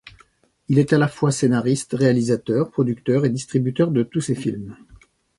Il est à la fois scénariste, réalisateur, producteur et distributeur de tous ses films.